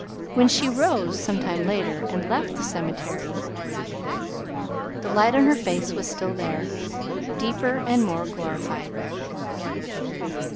When she rose some time later and left the cemetery, the light on her face was still there, deeper, more glorified.